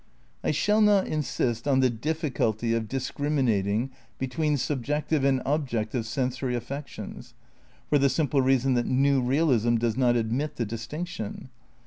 I shall not insist on the difficulty of discriminating between subjective and objective sensory affections, for the simple reason that new realism does not admit the distinction.